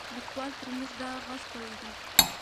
لیکوال پر موږ دا غږ کړی دی.